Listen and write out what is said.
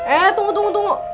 eh tunggu tunggu tunggu